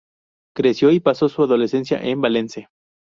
Creció y pasó su adolescencia en Valence.